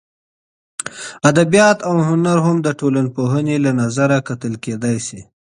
ادبیات او هنر هم د ټولنپوهنې له نظره کتل کېدای سي.